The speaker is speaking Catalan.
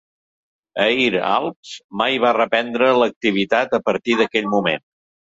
Air Alps mai va reprendre l'activitat a partir d'aquell moment.